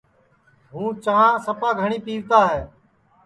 ہوں چاں سپا گھٹؔی پیوتا ہے